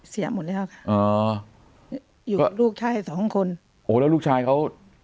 เสียหมดแล้วค่ะอ๋ออยู่กับลูกชายสองคนโอ้แล้วลูกชายเขา